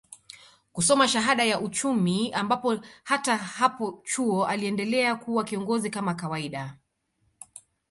kusoma shahada ya Uchumi ambapo hata hapo chuo aliendelea kuwa kiongozi kama kawaida